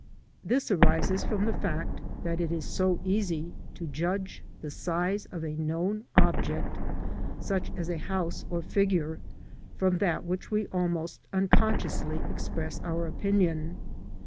This arises from the fact that it is so easy to judge the size of a known object, such as a house or figure, and from that we almost unconsciously express our opinion.